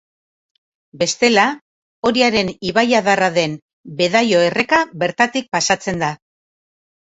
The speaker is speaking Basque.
Bestela, Oriaren ibaiadarra den Bedaio erreka bertatik pasatzen da.